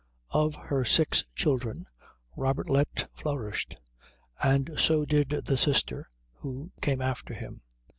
Of her six children Robertlet flourished, and so did the sister who came after him.